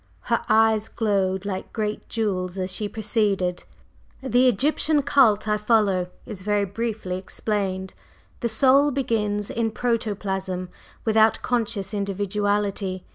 Her eyes glowed like great jewels as she proceeded: "The Egyptian cult I follow is very briefly explained. The Soul begins in protoplasm without conscious individuality.